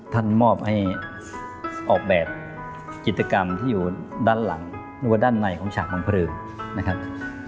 ท่านมอบให้ออกแบบกิตกรรมที่อยู่ด้านหลังหรือว่าด้านในชากปรรถประสบการณ์